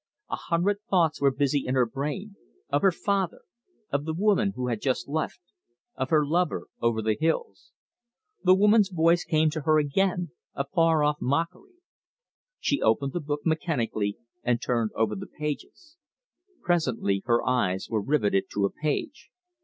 A hundred thoughts were busy in her brain of her father; of the woman who had just left; of her lover over the hills. The woman's voice came to her again a far off mockery. She opened the book mechanically and turned over the pages. Presently her eyes were riveted to a page.